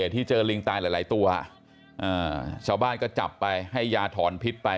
ที่เจอลิงตายหลายตัวชาวบ้านก็จับไปให้ยาถอนพิษไป